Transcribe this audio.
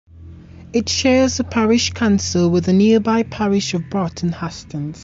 It shares a parish council with the nearby parish of Burton Hastings.